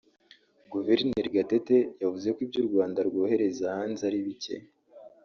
Guverineri Gatete yavuze ko ibyo u Rwanda rwohereza hanze ari bike